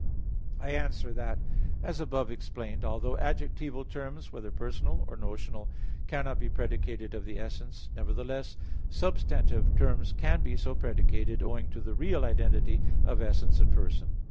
I answer that, As above explained (A. 5), although adjectival terms, whether personal or notional, cannot be predicated of the essence, nevertheless substantive terms can be so predicated, owing to the real identity of essence and person.